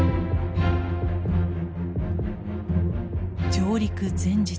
上陸前日。